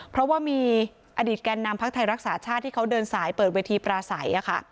เพราะว่ามีอดีตแก่นนำพักไทยรักษาชาติที่เขาเดินสายเปิดเวทีปราศัย